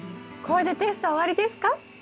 これでテスト終わりですか？